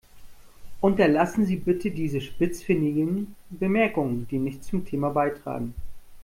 Unterlassen Sie bitte diese spitzfindigen Bemerkungen, die nichts zum Thema beitragen.